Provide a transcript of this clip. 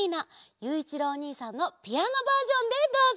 ゆういちろうおにいさんのピアノバージョンでどうぞ！